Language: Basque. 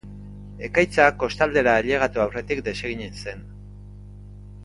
Ekaitza kostaldera ailegatu aurretik desegin zen.